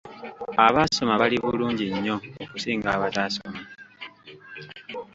Abaasoma bali bulungi nnyo okusinga abataasoma.